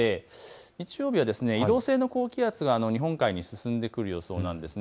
日曜日は移動性の高気圧が日本海に進んでくる予想です。